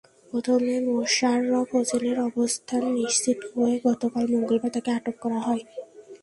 প্রথমে মোশাররফ হোসেনের অবস্থান নিশ্চিত হয়ে গতকাল মঙ্গলবার তাঁকে আটক করা হয়।